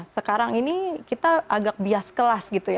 sekarang ini kita agak bias kelas gitu ya